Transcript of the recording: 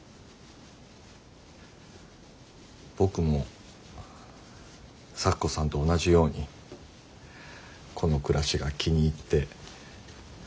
僕も咲子さんと同じようにこの暮らしが気に入って大満足してます。